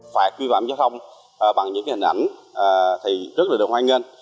phạt vi phạm giao thông bằng những hình ảnh rất được hoan nghênh